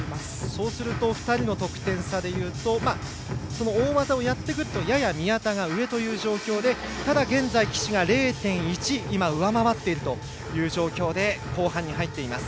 そうすると２人の得点差で言うと大技をやってくるとやや宮田が上の状況でただ、現在、岸が０．１今、上回っている状況で後半に入っています。